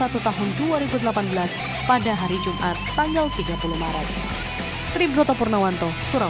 tahun dua ribu delapan belas pada hari jumat tanggal tiga puluh maret